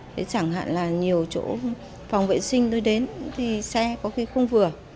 thế chẳng hạn là nhiều chỗ phòng vệ sinh tôi đến thì xe có khi không vừa